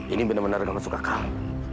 ini benar benar karena suka kau